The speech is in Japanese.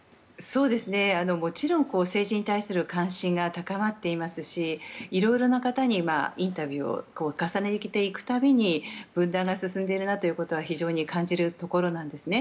もちろん政治に関する関心が高まっていますし、色々な方にインタビューを重ねていく度に分断が進んでいるなということは非常に感じるところなんですね。